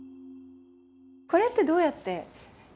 これって、どうやって。